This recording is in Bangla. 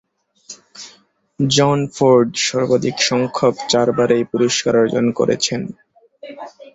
জন ফোর্ড সর্বাধিক সংখ্যক চারবার এই পুরস্কার অর্জন করেছেন।